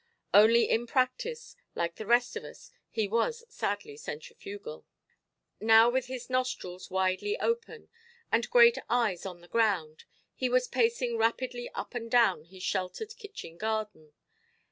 Only in practice, like the rest of us, he was sadly centrifugal. Now with his nostrils widely open, and great eyes on the ground, he was pacing rapidly up and down his sheltered kitchen garden.